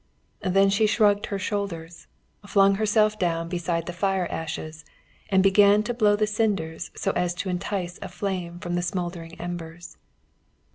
Then she shrugged her shoulders, flung herself down beside the fire ashes, and began to blow the cinders so as to entice a flame from the smouldering embers.